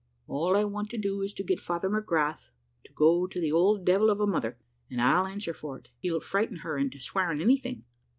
All I want to do is to get Father McGrath to go to the old devil of a mother, and I'll answer for it, he'll frighten her into swearing anything.